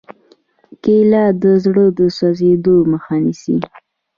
کېله د زړه د سوځېدو مخه نیسي.